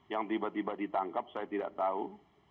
yang tiba tiba ditangkap saya tidak tahu